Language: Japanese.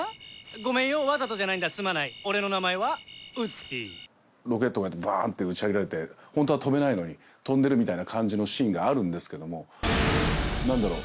ごめんよわざとじゃないんだすまない俺の名前はウッディロケットがバーンって打ち上げられてホントは飛べないのに飛んでるみたいな感じのシーンがあるんですけどもなんだろう